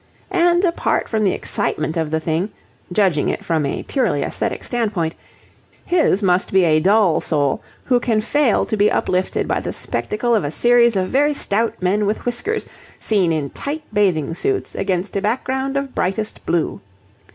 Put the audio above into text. And apart from the excitement of the thing, judging it from a purely aesthetic standpoint, his must be a dull soul who can fail to be uplifted by the spectacle of a series of very stout men with whiskers, seen in tight bathing suits against a background of brightest blue.